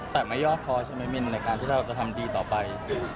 แต่ไม่ย่อพอใช่ไหมมินในการที่เราจะทำดีต่อไป